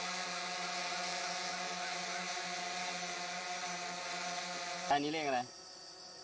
เวียนหัวไม่มาหรอกลูกไม่มาหรอก